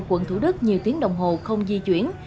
quận thủ đức nhiều tiếng đồng hồ không di chuyển